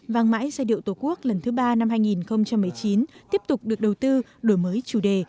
vang mãi giai điệu tổ quốc lần thứ ba năm hai nghìn một mươi chín tiếp tục được đầu tư đổi mới chủ đề